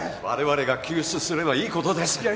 われわれが救出すればいいことです。